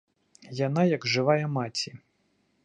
Яна як жывая маці.